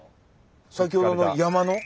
先ほどの山の？